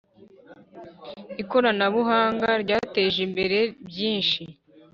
Ikoranabuhanga ryatejimbere byishi.